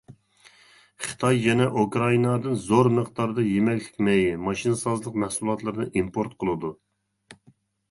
خىتاي يەنە ئۇكرائىنادىن زور مىقداردا يېمەكلىك مېيى، ماشىنىسازلىق مەھسۇلاتلىرىنى ئىمپورت قىلىدۇ.